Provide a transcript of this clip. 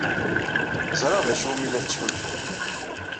Ẓriɣ d acu umi la tettḥulfum.